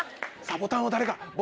ボタンを誰か！